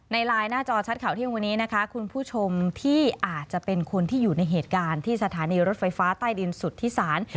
ไลน์หน้าจอชัดข่าวเที่ยงวันนี้นะคะคุณผู้ชมที่อาจจะเป็นคนที่อยู่ในเหตุการณ์ที่สถานีรถไฟฟ้าใต้ดินสุทธิศาล